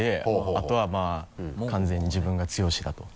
あとはまぁ完全に自分が剛だと。